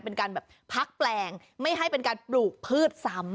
เป็นการแบบพักแปลงไม่ให้เป็นการปลูกพืชซ้ำ